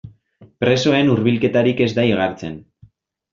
Presoen hurbilketarik ez da igartzen.